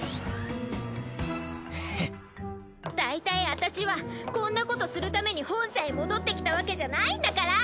フッ大体あたちはこんなことするために本社へ戻ってきたわけじゃないんだから！